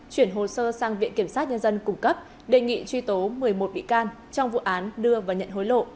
chuyển hồ sơ sang viện kiểm sát nhân dân cung cấp đề nghị truy tố một mươi một bị can trong vụ án đưa và nhận hối lộ